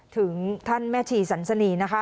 ถึงท่านแม่ชีสันสนีนะคะ